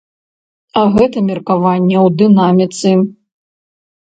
А гэта меркаванне ў дынаміцы.